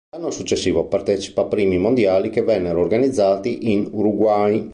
L'anno successivo partecipa a primi mondiali che vennero organizzati in Uruguay.